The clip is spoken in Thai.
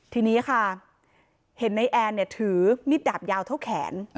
ทีนี้ค่ะเห็นในแอนเนี่ยถือมีดดาบยาวเท่าแขน